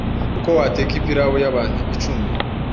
uko wateka ipilawu y'abantu icumi